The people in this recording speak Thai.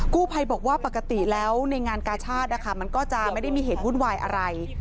กู้ภัยบอกว่าปกติแล้วในงานกาชาติมันก็จะไม่ได้มีเหตุวุ่นวายอะไร